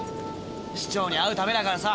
市長に会うためだからさ。